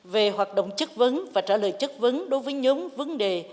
về hoạt động chất vấn và trả lời chất vấn đối với nhóm vấn đề